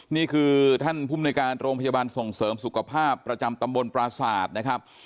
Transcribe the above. นี่คือท่านภูมิในการโรงพยาบาลส่งเสริมสุขภาพประจำตำบลปราศาสตร์นะครับ